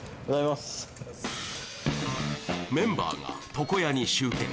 メンバーが床屋に集結